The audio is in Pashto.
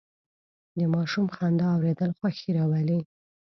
د ماشوم خندا اورېدل خوښي راولي.